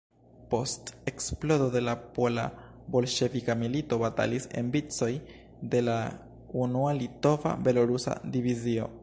Post eksplodo de la pola-bolŝevika milito batalis en vicoj de la unua Litova-Belorusa Divizio.